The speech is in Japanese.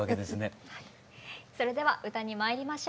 さあそれでは歌にまいりましょう。